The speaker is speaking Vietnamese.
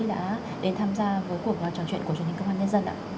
đã đến tham gia với cuộc trò chuyện của truyền hình công an nhân dân ạ